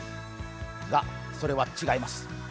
が、それは違います。